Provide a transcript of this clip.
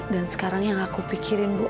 dan sekarang yang aku pikirin bu